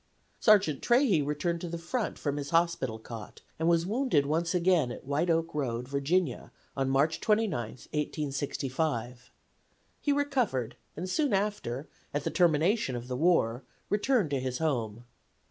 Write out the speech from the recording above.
Sergeant Trahey returned to the front from his hospital cot, and was wounded once again at White Oak Road, Va., on March 29, 1865. He recovered and soon after, at the termination of the war, returned to his home.